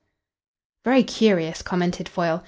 "Very curious," commented Foyle.